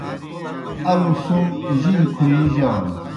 الوْ سْم جِنیْ کھویِیجانوْ۔